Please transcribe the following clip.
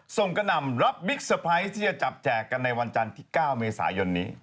ส่งกระน่ำรับบิ๊กสะพายที่จะจับแจกกันในวันจันที่๙เมษายนนี้